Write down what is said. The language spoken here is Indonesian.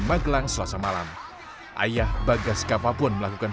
magelang selasa malam ayah bagas kava pun melakukan